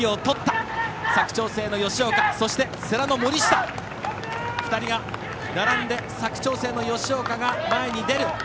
佐久長聖の吉岡、世羅の森下２人が並んで、佐久長聖の吉岡が前に出る。